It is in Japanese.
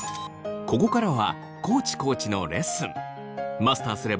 ここからは地コーチのレッスン。